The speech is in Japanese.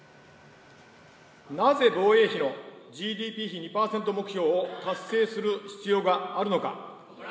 なぜ防衛費のＧＤＰ比２％目標を達成する必要があるのか。